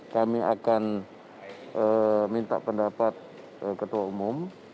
kami akan minta pendapat ketua umum